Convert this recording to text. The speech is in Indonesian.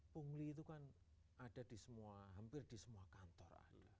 pungli itu kan ada di semua hampir di semua kantor